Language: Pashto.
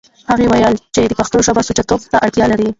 هغه وويل چې پښتو ژبه سوچه توب ته اړتيا لري.